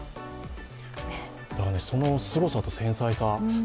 そのすごさと繊細さ。